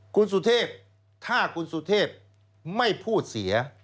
คุณสุเทพถ้าคุณสุเทพไม่พูดเสีย